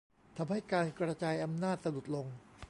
ทำให้การกระจายอำนาจสะดุดลง